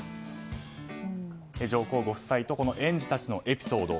上皇ご夫妻と園児たちのエピソード